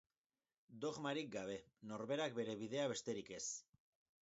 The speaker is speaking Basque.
Dogmarik gabe, norberak bere bidea besterik ez.